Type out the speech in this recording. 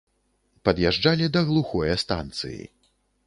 Пад'язджалі да глухое станцыі.